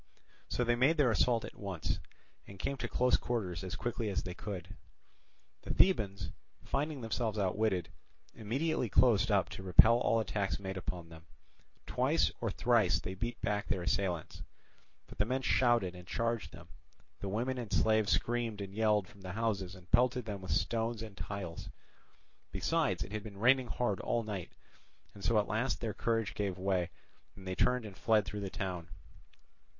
So they made their assault at once, and came to close quarters as quickly as they could. The Thebans, finding themselves outwitted, immediately closed up to repel all attacks made upon them. Twice or thrice they beat back their assailants. But the men shouted and charged them, the women and slaves screamed and yelled from the houses and pelted them with stones and tiles; besides, it had been raining hard all night; and so at last their courage gave way, and they turned and fled through the town.